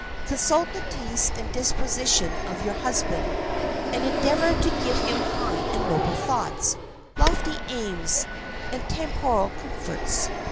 Consult the tastes and disposition of your husband, and endeavor to give him high and noble thoughts, lofty aims, and temporal comforts.